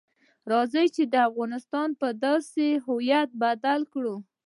راځئ چې افغانستان په داسې هویت بدل کړو.